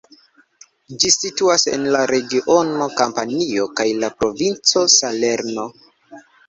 Ĝi situas en la regiono Kampanio kaj la provinco Salerno.